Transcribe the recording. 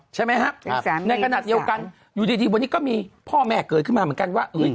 ใช่ไหมครับในขณะเดียวกันอยู่ดีวันนี้ก็มีพ่อแม่เกิดขึ้นมาเหมือนกันว่า